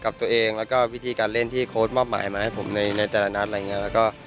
บอกว่ามีความหมายให้ผมในแต่ละนัดอะไรเนี้ย